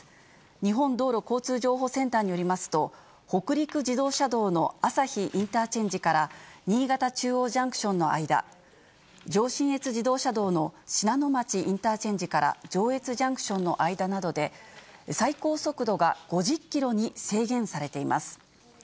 日本道路交通情報センターによりますと、北陸自動車道の朝日インターチェンジから、新潟中央ジャンクションの間、上信越自動車道の信濃町インターチェンジから上越ジャンクションの間などで、最高速度が５０キロに制限されています。